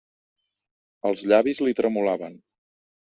Els llavis li tremolaven.